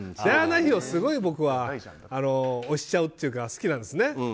ダイアナ妃をすごい僕は推しちゃうというか好きなんですね。